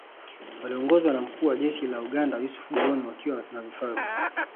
Waliongozwa na Mkuu wa Jeshi la Uganda Yusuf Gowon wakiwa na vifaru